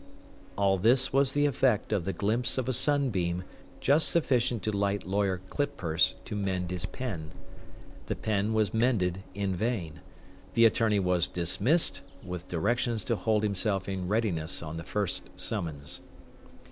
All this was the effect of the glimpse of a sunbeam, just sufficient to light Lawyer Clippurse to mend his pen. The pen was mended in vain. The attorney was dismissed, with directions to hold himself in readiness on the first summons.